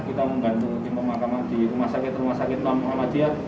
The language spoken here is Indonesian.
kita membantu tim pemakaman di rumah sakit rumah sakit muhammadiyah